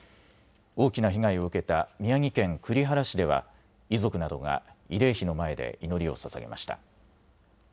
大きな被害を受けた宮城県栗原市では遺族などが慰霊碑の前で祈りをささげました。